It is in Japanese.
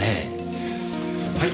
はい。